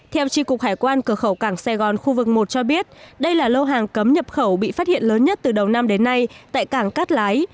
theo tri cục hải quan cửa khẩu cảng sài gòn khu vực một cho biết đây là lô hàng cấm nhập khẩu bị phát hiện lớn nhất từ đầu năm đến nay tại cảng cát lái